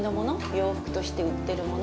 洋服として売っているもの